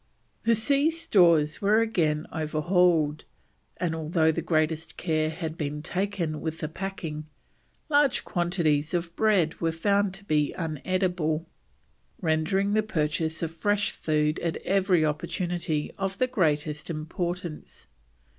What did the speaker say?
The sea stores were again overhauled, and although the greatest care had been taken with the packing, large quantities of the bread were found to be uneatable, rendering the purchase of fresh food at every opportunity of the greatest importance.